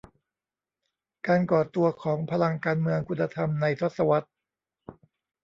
การก่อตัวของพลังการเมืองคุณธรรม ในทศวรรษ